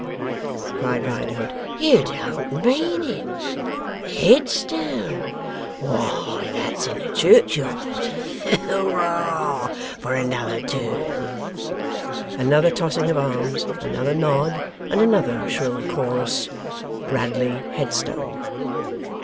cried Riderhood. 'You don't mean it? Headstone! Why, that's in a churchyard. Hooroar for another turn!' Another tossing of arms, another nod, and another shrill chorus: 'Bradley Headstone!